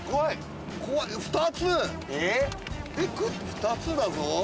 ２つだぞ。